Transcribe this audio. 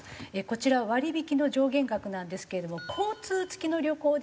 こちら割引の上限額なんですけれども交通付きの旅行ですと上限